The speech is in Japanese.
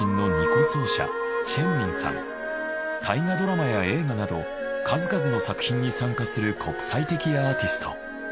大河ドラマや映画など数々の作品に参加する国際的アーティスト。